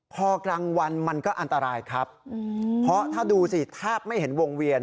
พอกลางวันมันก็อันตรายครับเพราะถ้าดูสิแทบไม่เห็นวงเวียน